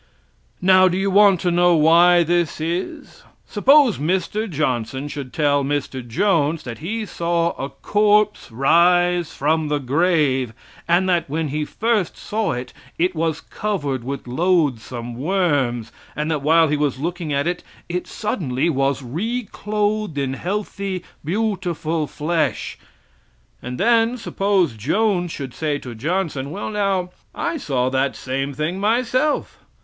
Now, do you want to know why this is: Suppose Mr. Johnson should tell Mr. Jones that he saw a corpse rise from the grave, and that when he first saw it, it was covered with loathsome worms, and that while he was looking at it, it suddenly was re clothed in healthy, beautiful flesh. And then, suppose Jones should say to Johnson, "Well, now, I saw that same thing myself.